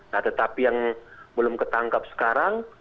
nah tetapi yang belum ketangkap sekarang